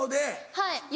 はい。